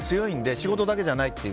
仕事だけじゃないっていう。